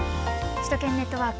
首都圏ネットワーク。